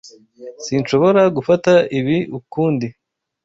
Sinshobora gufata ibi ukundi.